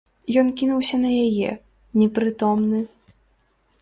Ён кінуўся на яе, непрытомны.